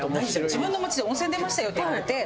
自分の街で温泉出ましたよっていわれて。